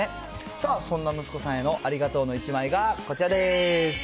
さあ、そんな息子さんへのありがとうの１枚がこちらです。